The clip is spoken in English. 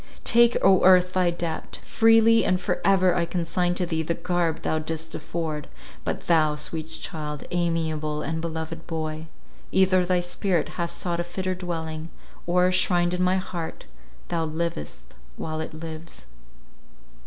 Take, O earth, thy debt! freely and for ever I consign to thee the garb thou didst afford. But thou, sweet child, amiable and beloved boy, either thy spirit has sought a fitter dwelling, or, shrined in my heart, thou livest while it lives.